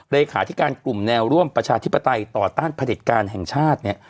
เลขาธิการกลุ่มแนวร่วมประชาธิปไตยต่อต้านผลิตการแห่งชาติเนี่ย